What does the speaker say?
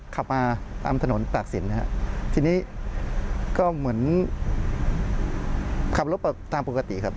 ขับมาตามถนนตากศิลปนะฮะทีนี้ก็เหมือนขับรถตามปกติครับ